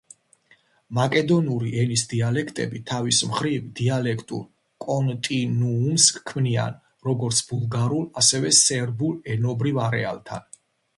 მაკედონური ენის დიალექტები თავის მხრივ დიალექტურ კონტინუუმს ჰქმნიან როგორც ბულგარულ, ასევე სერბულ ენობრივ არეალთან.